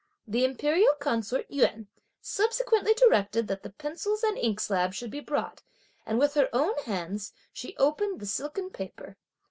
The Imperial consort Yuan subsequently directed that the pencils and inkslabs should be brought, and with her own hands she opened the silken paper.